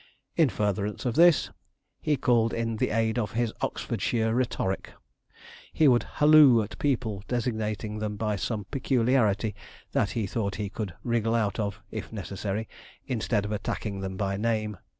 In furtherance of this, he called in the aid of his Oxfordshire rhetoric. He would halloo at people, designating them by some peculiarity that he thought he could wriggle out of, if necessary, instead of attacking them by name.